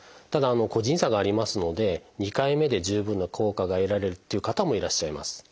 ただ個人差がありますので２回目で十分な効果が得られるっていう方もいらっしゃいます。